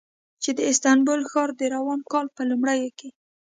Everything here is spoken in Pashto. چې د استانبول ښار یې د روان کال په لومړیو کې